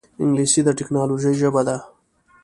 انګلیسي د ټکنالوجۍ ژبه ده